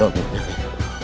ayo keluarkan jurus kalian